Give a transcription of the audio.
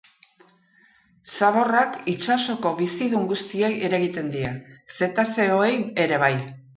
Zaborrak itsasoko bizidun guztiei eragiten die, zetazeoei ere bai.